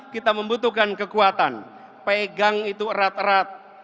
kita membutuhkan kekuatan pegang itu erat erat